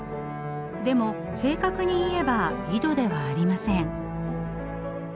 でも正確に言えば井戸ではありません。